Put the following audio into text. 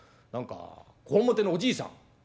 何かこわもてのおじいさん」。